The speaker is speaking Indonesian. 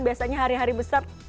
biasanya hari hari besar